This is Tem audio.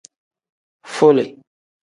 Fole.